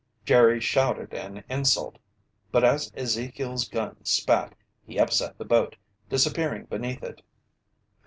Jerry shouted an insult. But as Ezekiel's gun spat, he upset the boat, disappearing beneath it.